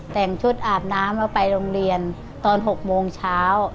แต่งชุดอาบน้ำเอาไปโรงเรียนตอน๖โมงเช้า